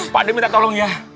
pak ade minta tolong ya